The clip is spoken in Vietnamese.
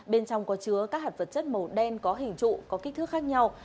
bên trong có chứa các hạt vật chất màu đen có hình trụ có kích thước khác nhau